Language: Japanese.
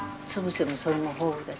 それも豊富だし。